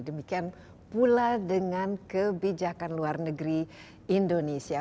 demikian pula dengan kebijakan luar negeri indonesia